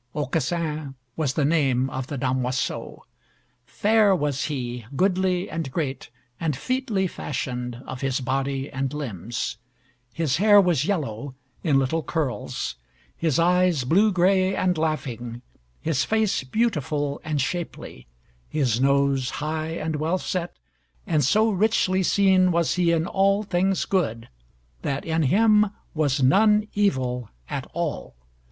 Aucassin was the name of the damoiseau: fair was he, goodly, and great, and featly fashioned of his body and limbs. His hair was yellow, in little curls, his eyes blue gray and laughing, his face beautiful and shapely, his nose high and well set, and so richly seen was he in all things good, that in him was none evil at all.